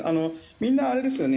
みんなあれですよね